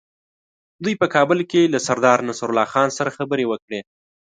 دوی په کابل کې له سردار نصرالله خان سره خبرې وکړې.